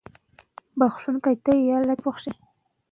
د سبا ورځې په اړه تشویش مه کوه.